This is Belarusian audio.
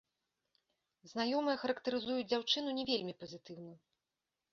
Знаёмыя характарызуюць дзяўчыну не вельмі пазітыўна.